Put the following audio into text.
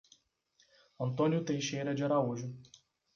Antônio Teixeira de Araújo